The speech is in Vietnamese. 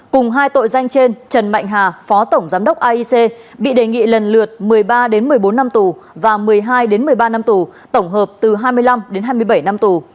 cùng hai tội danh trên trần mạnh hà phó tổng giám đốc aic bị đề nghị lần lượt một mươi ba một mươi bốn năm tù và một mươi hai một mươi ba năm tù tổng hợp từ hai mươi năm đến hai mươi bảy năm tù